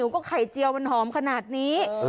ก็ไข่เจียวมันหอมขนาดนี้